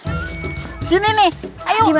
versi dari inggo homme